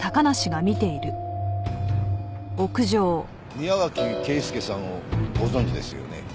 宮脇圭介さんをご存じですよね？